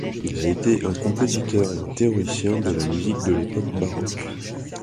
Il a été un compositeur et un théoricien de la musique de l'époque baroque.